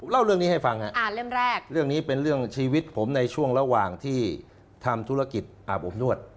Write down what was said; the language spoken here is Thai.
เล่าเรื่องนี้ให้ฟังฮะอ่าเล่มแรกเรื่องนี้เป็นเรื่องชีวิตผมในช่วงระหว่างที่ทำธุรกิจอาบอบนวด